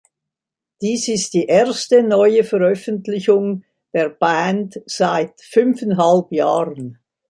Dies ist die erste neue Veröffentlichung der Band seit fünfeinhalb Jahren.